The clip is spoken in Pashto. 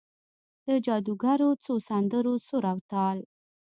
د جادوګرو څو سندرو سر او تال،